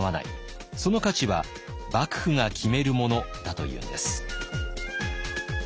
その価値は幕府が決めるものだというのです。